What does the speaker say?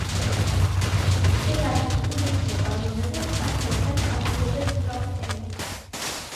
ეს არის წყვილის ცეკვა, რომელსაც კაცი და ქალი ასრულებენ სწრაფი ტემპით.